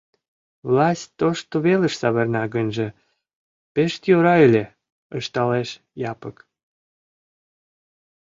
— Власть тошто велыш савырна гынже, пеш йӧра ыле, — ышталеш Япык.